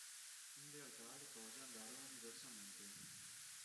In realtà le cose andarono diversamente.